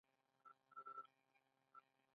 سوداګري او اقتصاد پرمختللی و